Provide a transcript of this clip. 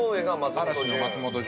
◆嵐の松本潤。